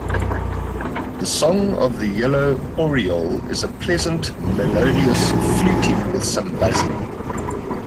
The song of the yellow oriole is a pleasant melodious fluting, with some buzzing.